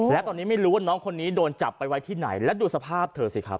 และตอนนี้ไม่รู้ว่าน้องคนนี้โดนจับไปไว้ที่ไหนแล้วดูสภาพเธอสิครับ